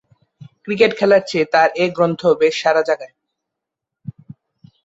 Cricket খেলার চেয়ে তার এ গ্রন্থ বেশ সাড়া জাগায়।